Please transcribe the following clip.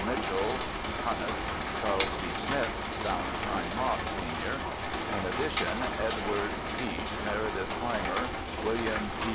Mitchell, Punnett, Charles D. Smith, Valen tine Mott, sen. In addition, Edward Peace, Meredith Clymer, William P.